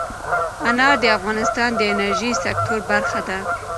انار د افغانستان د انرژۍ سکتور برخه ده.